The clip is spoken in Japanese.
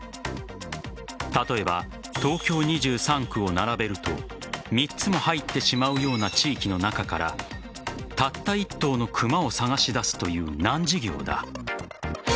例えば、東京２３区を並べると３つも入ってしまうような地域の中からたった１頭の熊を探し出すという難事業だ。